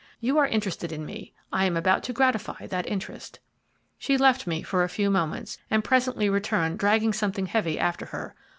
You are interested in me I am about to gratify that interest.' "She left me for a few moments, and presently returned dragging something heavy after her.